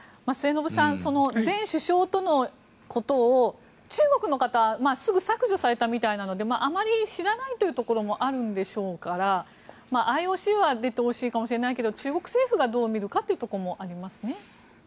末延さん、前首相とのことを中国の方はすぐ削除されたみたいなのであまり知らないというところもあるんでしょうからＩＯＣは出てほしいかもしれないけど中国政府がどう見るかというところもありますね。